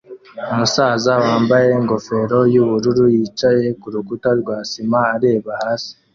Umusaza wambaye ingofero yubururu yicaye kurukuta rwa sima areba hasi